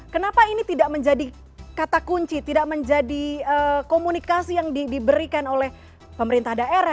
kenapa ini tidak menjadi kata kunci tidak menjadi komunikasi yang diberikan oleh pemerintah daerah